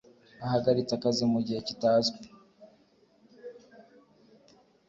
ahagaritse akazi mu gihe kitazwi,